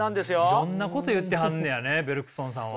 いろんなこと言ってはんねやねベルクソンさんは。